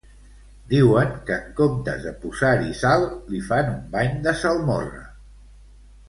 Diuen que en comptes de posar-hi sal li fan un bany de salmorra